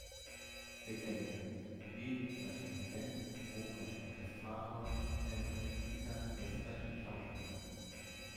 Legende: D=Dirigent, O=Orchestrator, M=Musiker, S=Schauspieler